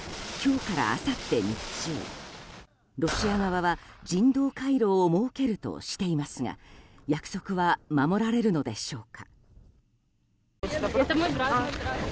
日中ロシア側は人道回廊を設けるとしていますが約束は守られるのでしょうか。